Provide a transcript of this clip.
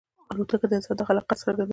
الوتکه د انسان خلاقیت څرګندوي.